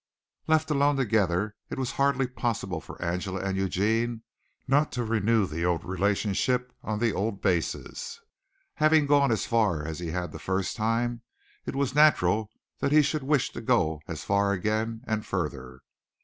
Left alone together it was hardly possible for Angela and Eugene not to renew the old relationship on the old basis. Having gone as far as he had the first time it was natural that he should wish to go as far again and further.